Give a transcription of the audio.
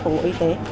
của bộ y tế